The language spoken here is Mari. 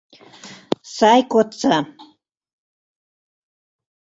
Сай кодса.